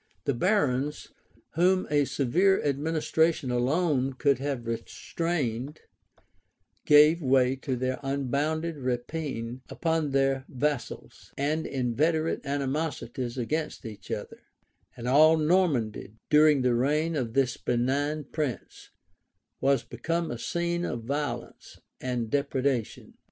The barons, whom a severe administration alone could have restrained, gave way to their unbounded rapine upon their vassals, and inveterate animosities against each other; and all Normandy, during the reign of this benign prince, was become a scene of violence and depredation.